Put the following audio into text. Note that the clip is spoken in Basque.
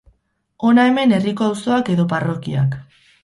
Hona hemen herriko auzoak edo parrokiak